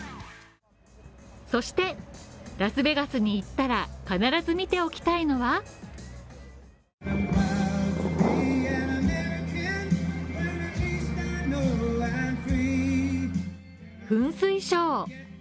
そして、ラスベガスに行ったら必ず見ておきたいのは噴水ショー。